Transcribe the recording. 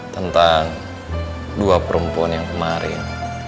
tentang dua perempuan yang kemarin